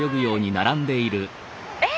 え！